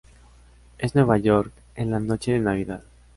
Es Nueva York en la noche de Navidad.